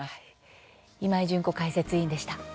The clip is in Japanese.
今井純子解説委員でした。